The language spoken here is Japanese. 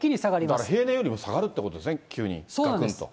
だから平年よりも下がるということですね、急に、そうなんです。